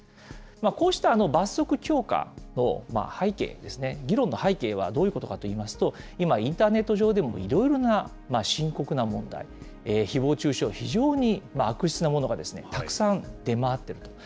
こうした罰則強化の背景ですね、議論の背景はどういうことかといいますと、今、インターネット上でもいろいろな深刻な問題、ひぼう中傷、非常に悪質なものがたくさん出回っていると。